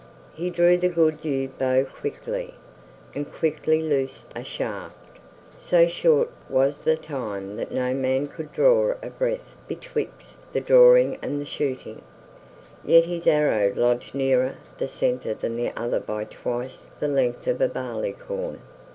He drew the good yew bow quickly, and quickly loosed a shaft; so short was the time that no man could draw a breath betwixt the drawing and the shooting; yet his arrow lodged nearer the center than the other by twice the length of a barleycorn.